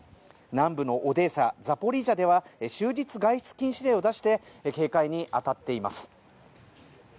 南部のオデーサザポリージャでは終日、外出禁止令を出して警戒に当たっています。